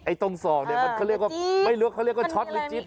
ไอ้ตรงส่องเนี่ยเขาเรียกว่าช็อตหรือจี๊ด